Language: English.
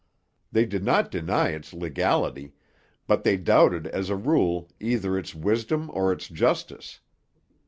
They did not deny its legality; but they doubted as a rule either its wisdom or its justice.